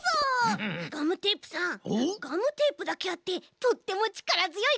ガムテープだけあってとってもちからづよいこえですね！